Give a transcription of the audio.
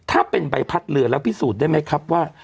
ถ้าเป็นใบพัดเรือแล้วพิสูจน์ได้ไหมครับว่า